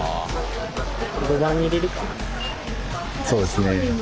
そうですね。